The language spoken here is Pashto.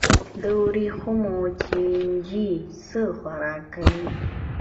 د وریښمو چینجی څه خوراک کوي؟